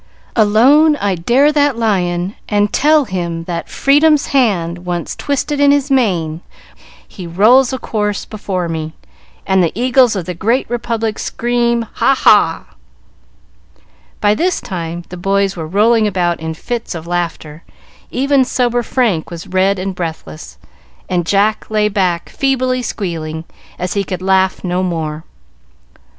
Alone I dare that Lion, and tell him that Freedom's hand once twisted in his mane, he rolls a corse before me, and the Eagles of the Great Republic scream, Ha, ha!" By this time the boys were rolling about in fits of laughter; even sober Frank was red and breathless, and Jack lay back, feebly squealing, as he could laugh no more.